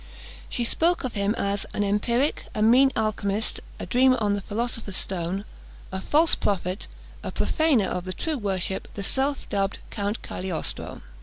She spoke of him as "an empiric, a mean alchymist, a dreamer on the philosopher's stone, a false prophet, a profaner of the true worship, the self dubbed Count Cagliostro!"